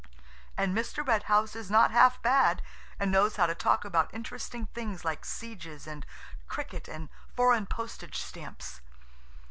And Mr. Red House is not half bad, and knows how to talk about interesting things like sieges, and cricket, and foreign postage stamps.